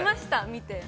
見て。